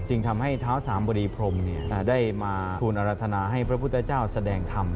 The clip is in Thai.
จึงทำให้เท้าสามบดีพรมได้มาทูลอรรถนาให้พระพุทธเจ้าแสดงธรรม